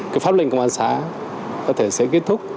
cái pháp lệnh công an xã có thể sẽ kết thúc